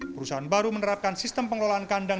perusahaan baru menerapkan sistem pengelolaan kandang